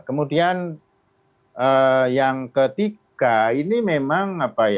kemudian yang ketiga ini memang